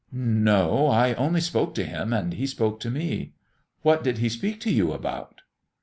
"No; I only spoke to Him and He spoke to me." "What did He speak to you about?"